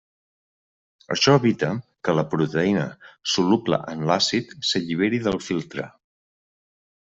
Això evita que la proteïna, soluble en l'àcid, s'alliberi del filtre.